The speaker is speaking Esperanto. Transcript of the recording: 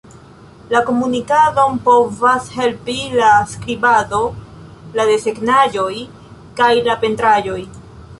La komunikadon povas helpi la skribado, la desegnaĵoj kaj la pentraĵoj.